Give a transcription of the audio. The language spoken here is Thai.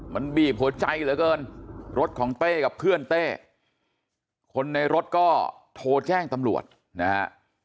มันบีบหัวใจเหลือเกินรถของเต้กับเพื่อนเต้คนในรถก็โทรแจ้งตำรวจนะฮะ